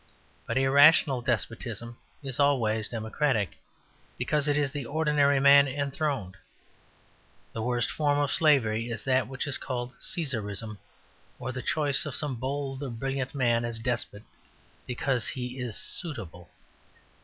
But irrational despotism is always democratic, because it is the ordinary man enthroned. The worst form of slavery is that which is called Caesarism, or the choice of some bold or brilliant man as despot because he is suitable.